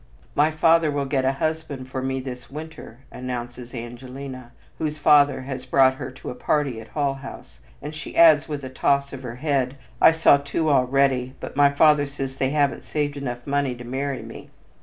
"My father will get a husband for me this winter," announces Angelina, whose father has brought her to a party at Hull House, and she adds with a toss of her head, "I saw two already, but my father says they haven't saved enough money to marry me."